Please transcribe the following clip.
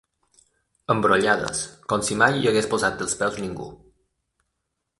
Embrollades, com si mai hi hagués posat els peus ningú.